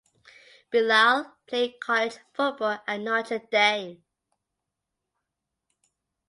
Bilal played college football at Notre Dame.